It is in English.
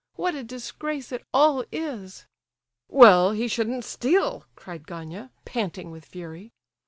What a disgrace it all is!" "Well, he shouldn't steal," cried Gania, panting with fury.